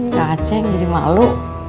ya acing jadi malu